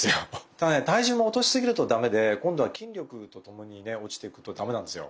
ただね体重も落とし過ぎると駄目で今度は筋力とともにね落ちていくと駄目なんですよ。